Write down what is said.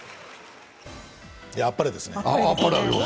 あっぱれです。